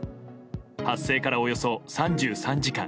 発生からおよそ３３時間。